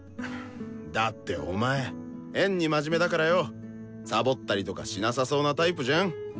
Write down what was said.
だってお前変に真面目だからよサボったりとかしなさそうなタイプじゃん？